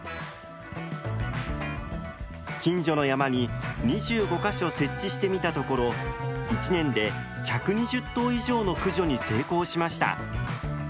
近所の山に２５か所設置してみたところ１年で１２０頭以上の駆除に成功しました。